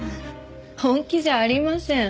本気じゃありません。